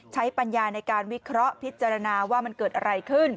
ปัญญาในการวิเคราะห์พิจารณาว่ามันเกิดอะไรขึ้น